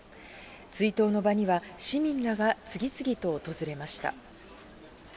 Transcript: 追悼の場には市民らが次々と訪れました。